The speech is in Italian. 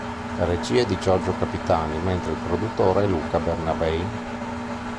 La regia è di Giorgio Capitani mentre il produttore è Luca Bernabei.